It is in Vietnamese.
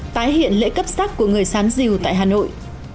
tái hiện lễ cấp sắc của người sán diều tại hà nội